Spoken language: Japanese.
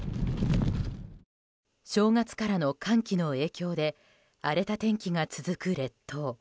正月からの寒気の影響で荒れた天気が続く列島。